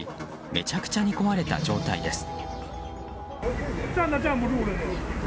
めちゃくちゃに壊れた状態です。